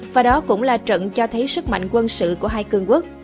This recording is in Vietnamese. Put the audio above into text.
và đó cũng là trận cho thấy sức mạnh quân sự của hai cường quốc